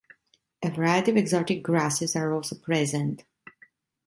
A variety of exotic grasses are also present.